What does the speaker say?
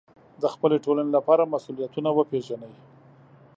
د خپلې ټولنې لپاره مسوولیتونه وپېژنئ.